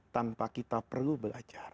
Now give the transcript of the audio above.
tanpa kita perlu belajar